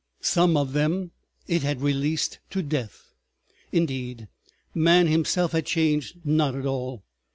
Some of them it had released to death. ... Indeed, man himself had changed not at all.